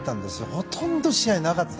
ほとんど試合がなかった。